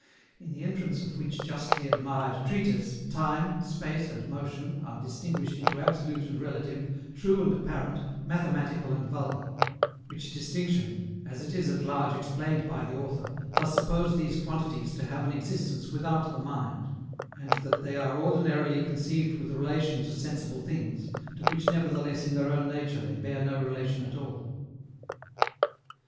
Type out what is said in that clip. In the entrance of which justly admired treatise, Time, Space, and Motion are distinguished into absolute and relative, true and apparent, mathematical and vulgar; which distinction, as it is at large explained by the author, does suppose these quantities to have an existence without the mind; and that they are ordinarily conceived with relation to sensible things, to which nevertheless in their own nature they bear no relation at all.